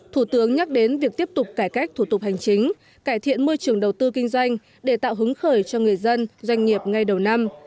thủ tướng nhắc đến việc tiếp tục cải cách thủ tục hành chính cải thiện môi trường đầu tư kinh doanh để tạo hứng khởi cho người dân doanh nghiệp ngay đầu năm